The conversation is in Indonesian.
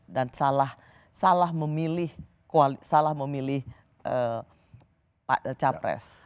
dan salah memilih pak capres